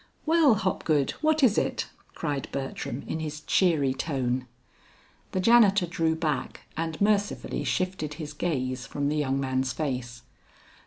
"Well, Hopgood, what is it?" cried Bertram, in his cheery tone. The janitor drew back and mercifully shifted his gaze from the young man's face.